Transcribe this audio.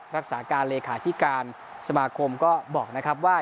รักษาการเลขาธิการสมาคมก็บอกนะครับว่า